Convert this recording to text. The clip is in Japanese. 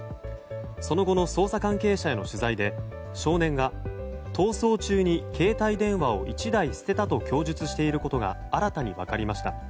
その後の捜査関係者の取材で少年が逃走中に携帯電話を１台捨てたと供述していることが新たに分かりました。